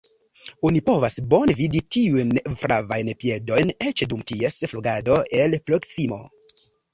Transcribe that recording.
Oni povas bone vidi tiujn flavajn piedojn eĉ dum ties flugado, el proksimo.